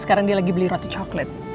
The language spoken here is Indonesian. sekarang dia lagi beli roti coklat